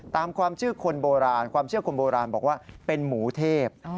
ตามความเชื่อคนโบราณความเชื่อคนโบราณบอกว่าเป็นหมูเทพ